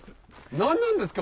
何なんですか？